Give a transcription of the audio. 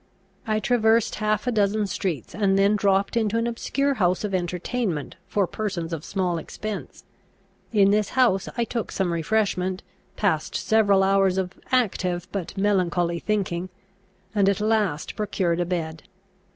I traversed half a dozen streets, and then dropped into an obscure house of entertainment for persons of small expense. In this house I took some refreshment, passed several hours of active but melancholy thinking, and at last procured a bed.